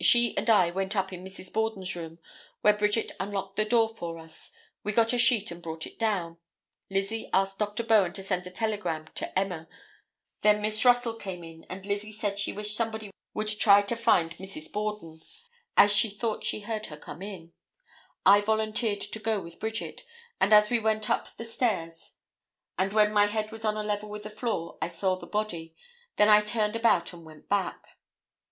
She and I went up in Mrs. Borden's room, where Bridget unlocked the door for us; we got a sheet and brought it down; Lizzie asked Dr. Bowen to send a telegram to Emma; then Miss Russell came in and Lizzie said she wished somebody would try to find Mrs. Borden as she thought she heard her come in; I volunteered to go with Bridget, and as we went up the stairs and when my head was on a level with the floor, I saw the body, then I turned about and went back.